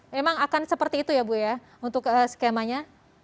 memang akan seperti itu ya bu ya untuk skemanya